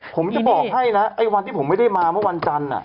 ผมจะบอกให้นะไอ้วันที่ผมไม่ได้มาเมื่อวันจันทร์